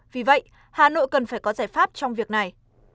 vì vậy hà nội cần phải có giải pháp trong việc này